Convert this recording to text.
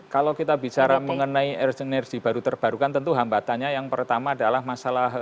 kalau kita bicara mengenai energi baru terbarukan tentu hambatannya yang pertama adalah masalah